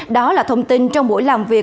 đó là thông tin trong buổi làm việc